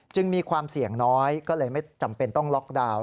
มีความเสี่ยงน้อยก็เลยไม่จำเป็นต้องล็อกดาวน์